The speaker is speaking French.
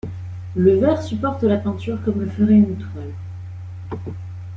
Le verre supporte la peinture comme le ferait une toile.